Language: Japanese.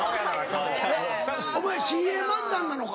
お前ＣＡ漫談なのか？